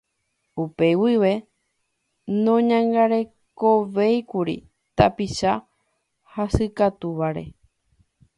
Upe guive noñangarekovéikuri tapicha hasykatuváre.